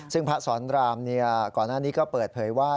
ซึ่งพระสอนรามก่อนหน้านี้ก็เปิดเผยว่า